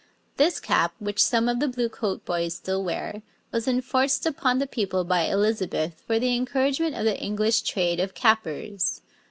This cap, which some of the Bluecoat Boys still wear, was enforced upon the people by Elizabeth for the encouragement of the English trade of cappers.